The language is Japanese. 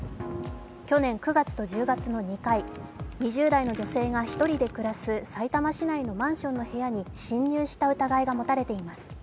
去年９月と１０月の２回、２０代の女性が１人で暮らす、さいたま市内のマンションの部屋に侵入した疑いが持たれています。